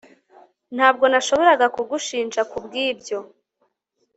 Ntabwo nashoboraga kugushinja kubwibyo